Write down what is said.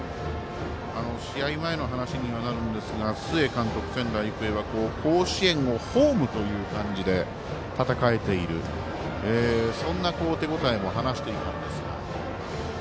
試合前の話にはなるんですが須江監督、仙台育英は甲子園をホームという感じで戦えている、そんな手応えも話していたんですが。